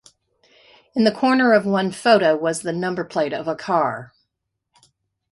In the corner of one photo was the number plate of a car.